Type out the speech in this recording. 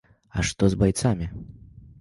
А што з байцамі?